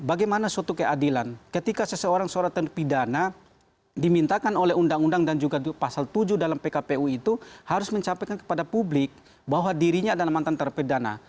bagaimana suatu keadilan ketika seseorang seorang terpidana dimintakan oleh undang undang dan juga pasal tujuh dalam pkpu itu harus mencapai kepada publik bahwa dirinya adalah mantan terpidana